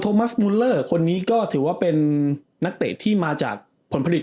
มัสมูลเลอร์คนนี้ก็ถือว่าเป็นนักเตะที่มาจากผลผลิต